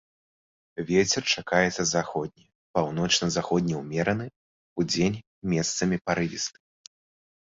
Вецер чакаецца заходні, паўночна-заходні ўмераны, удзень месцамі парывісты.